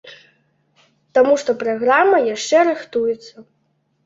Таму што праграма яшчэ рыхтуецца.